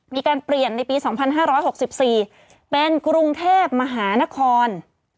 มีการเปลี่ยนในปี๒๕๖๔เป็นกรุงเทพมหานคร